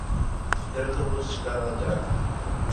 এ-রকম রোজ করা যায় না।